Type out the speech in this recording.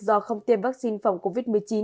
do không tiêm vaccine phòng covid một mươi chín